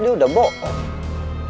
dia udah bohong